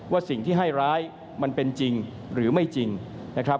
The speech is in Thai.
สิ่งที่ให้ร้ายมันเป็นจริงหรือไม่จริงนะครับ